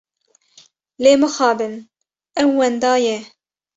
Lê mixabin ew wenda ye.